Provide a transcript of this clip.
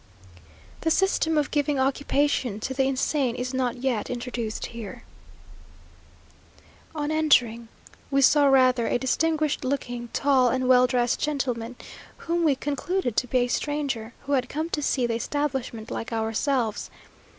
The system of giving occupation to the insane is not yet introduced here. On entering, we saw rather a distinguished looking, tall and well dressed gentleman, whom we concluded to be a stranger who had come to see the establishment, like ourselves.